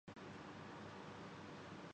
کیونکہ جتنا ہمارا بازو مروڑنا تھا۔